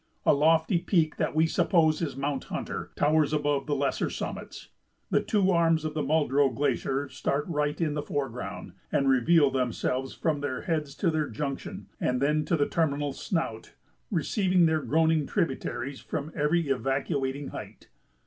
A lofty peak, that we suppose is Mount Hunter, towers above the lesser summits. The two arms of the Muldrow Glacier start right in the foreground and reveal themselves from their heads to their junction and then to the terminal snout, receiving their groaning tributaries from every evacuating height.